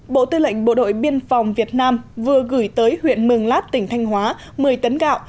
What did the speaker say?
bộ tư lệnh bộ đội biên phòng việt nam vừa gửi tới huyện mường lát tỉnh thanh hóa một mươi tấn gạo